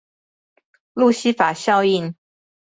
路西法效應